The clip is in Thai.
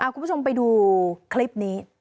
คุณผู้ชมไปดูคลิปนี้